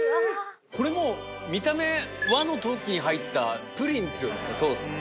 これもう見た目和の陶器に入ったプリンですよね